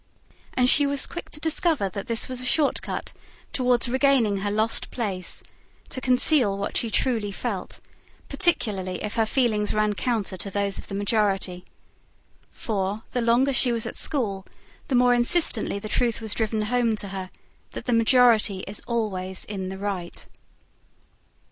And she was quick to discover that this was a short cut towards regaining her lost place: to conceal what she truly felt particularly if her feelings ran counter to those of the majority. For, the longer she was at school, the more insistently the truth was driven home to her, that the majority is always in the right.